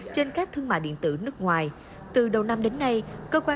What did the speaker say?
trên đường trạm bts giả